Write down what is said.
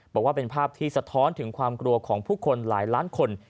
บอกว่าเป็นภาพที่สะท้อนถึงความกลัวของผู้คนหลายล้านคน